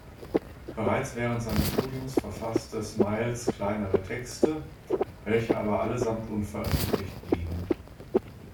Bereits während seines Studiums verfasste Smiles kleinere Texte, welche aber allesamt unveröffentlicht blieben.